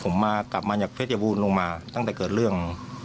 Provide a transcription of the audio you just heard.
ผมกลับมานี่เทคเยอร์บูนลงตั้งแต่เกิดเรื่อง